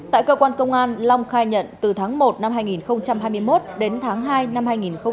tại cơ quan công an long khai nhận từ tháng một năm hai nghìn hai mươi một đến tháng hai năm hai nghìn hai mươi ba